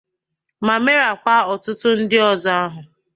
ma merakwa ọtụtụ ndị ọzọ ahụ.